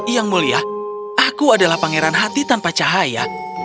yang mulia aku adalah pangeran hati tanpa cahaya